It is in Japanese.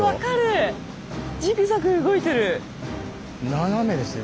斜めですね